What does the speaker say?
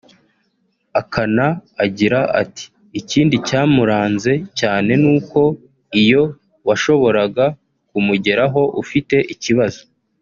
Akana agira ati “Ikindi cyamuranze cyane ni uko iyo washoboraga kumugeraho ufite ikibazo